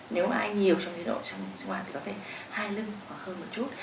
nếu ai nhiều trong cái độ trong chương trình hoa thì có thể hai lưng hoặc hơn một chút